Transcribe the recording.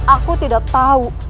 aku tidak tahu